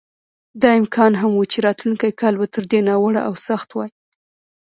دا امکان هم و چې راتلونکی کال به تر دې ناوړه او سخت وای.